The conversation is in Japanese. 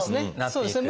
そうですね。